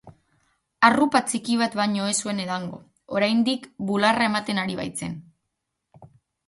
Hurrupa txiki bat baino ez zuen edango, oraindik bularra ematen ari baitzen.